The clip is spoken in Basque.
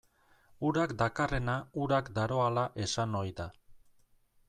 Urak dakarrena urak daroala esan ohi da.